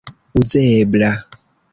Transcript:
uzebla